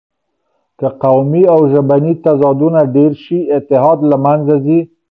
که قومي او ژبني تضادونه ډېر شي، اتحاد له منځه ځي.